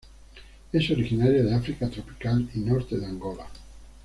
Es originaria de África tropical y norte de Angola.